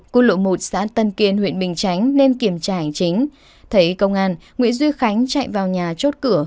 quốc lộ một xã tân kiên huyện bình chánh nên kiểm tra hành chính thấy công an nguyễn duy khánh chạy vào nhà chốt cửa